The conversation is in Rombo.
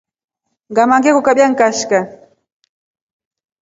Ngama ngrkukabya nikashika.